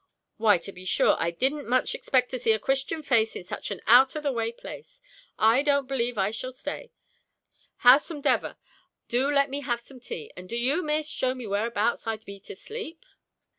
Why to be sure I did'nt much expect to see a christian face in such an out of the way place. I don't b'leve I shall stay; howsomdever do let me have some tea; and do you, Miss, shew me whereabout I be to sleep.'